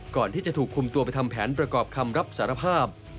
ก่อนที่จะถูกคุมตัวไปทำแผนประกอบคำรับสารภาพ